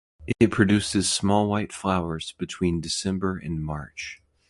It produces small white flowers between December and March.